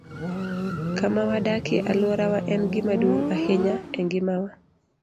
Kama wadakie, alworawa en gima duong ' ahinya e ngimawa.